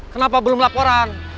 kenapa belum laporan